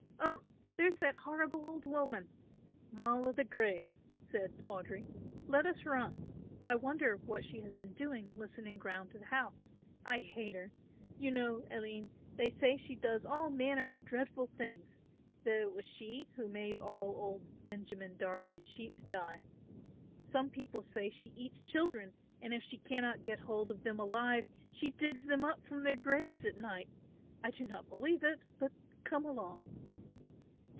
"Oh, there's that horrible old woman! 'Moll o' the graves,'" said Audry; "let us run. I wonder what she has been doing listening round the house; I hate her. You know, Aline, they say she does all manner of dreadful things, that it was she who made all old Benjamin Darley's sheep die. Some people say she eats children and if she cannot get hold of them alive she digs them up from their graves at night. I do not believe it, but come along."